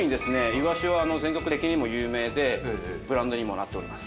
いわしは全国的にも有名でブランドにもなっております。